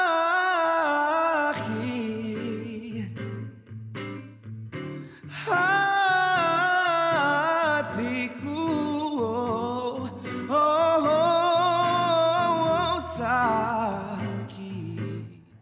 oh sakit hatiku oh sakit